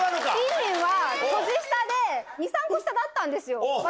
インリンは年下で、２、３個下だったんですよ。